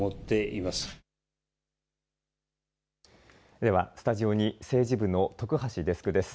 ではスタジオに政治部の徳橋デスクです。